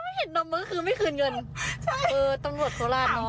เธอไม่เห็นนมเมื่อคือไม่คืนเงินคือตำรวจโธราชเนาะ